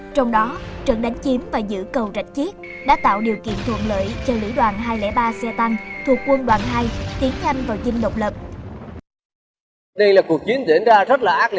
trong đó trận đánh chiếm và giữ cầu rạch chiếc đã tạo điều kiện thuận lợi cho lữ đoàn hai trăm linh ba xe tăng thuộc quân đoàn hai tiến nhanh vào chinh độc lập